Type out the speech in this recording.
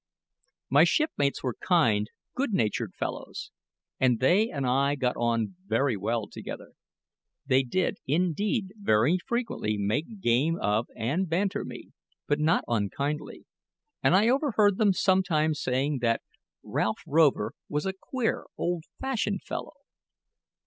My shipmates were kind, good natured fellows, and they and I got on very well together. They did, indeed, very frequently make game of and banter me, but not unkindly; and I overheard them sometimes saying that Ralph Rover was a "queer, old fashioned fellow."